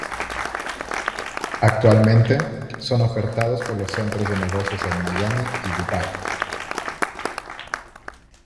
Actualmente, son ofertados por los centros de negocios en Miami y Dubái.